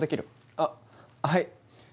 あっはい。